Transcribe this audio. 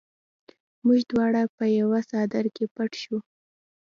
موږ دواړه په یوه څادر کې پټ شوو